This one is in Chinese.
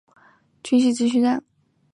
顺治帝驾崩时她随之殉葬。